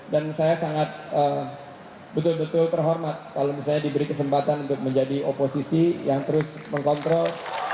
dan saya sangat betul betul terhormat kalau misalnya diberi kesempatan untuk menjadi oposisi yang terus mengontrol